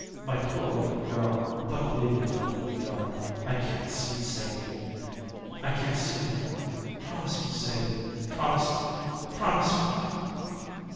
My poor little girl, don't leave me alone in the dark. I can't see; Sadie, I can't see no more. Promise me, Sadie, promise me, promise me!"